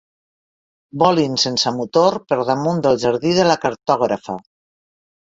Volin sense motor per damunt del jardí de la cartògrafa.